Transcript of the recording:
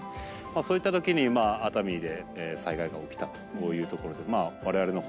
そういった時に熱海で災害が起きたというところで。